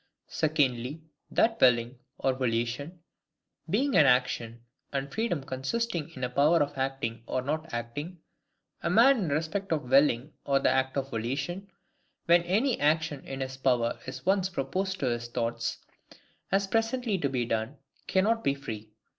Secondly, That willing, or volition, being an action, and freedom consisting in a power of acting or not acting, a man in respect of willing or the act of volition, when any action in his power is once proposed to his thoughts, as presently to be done, cannot be free.